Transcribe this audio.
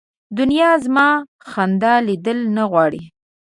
دنیا زما خندا لیدل نه غواړي